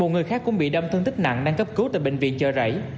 một người khác cũng bị đâm thương tích nặng đang cấp cứu tại bệnh viện chờ rảy